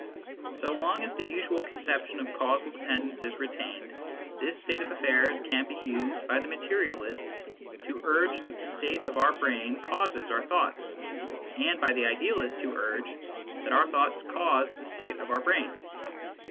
So long as the usual conception of causal dependence is re tained, this state of affairs can be used by the materialist to urge that the state of our brain causes our thoughts, and by the idealist to urge that our thoughts cause the state of our brain.